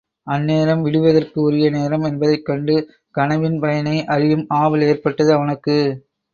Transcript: அந்நேரம் விடிவதற்கு உரிய நேரம் என்பதைக் கண்டு, கனவின் பயனை அறியும் ஆவல் ஏற்பட்டது அவனுக்கு.